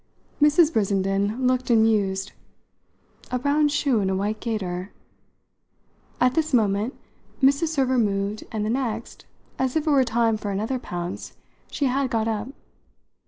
Mrs. Brissenden looked and mused. "A brown shoe in a white gaiter?" At this moment Mrs. Server moved, and the next as if it were time for another pounce she had got up.